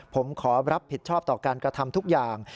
ผมขอรับผิดชอบต่อการกระทำทุกอย่าง